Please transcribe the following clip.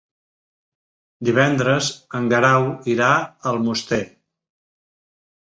Divendres en Guerau irà a Almoster.